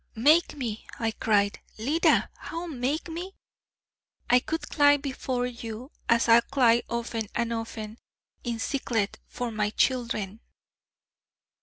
'Make me!' I cried: 'Leda! How make me?' 'I could cly before you, as I cly often and often ... in seclet ... for my childlen....'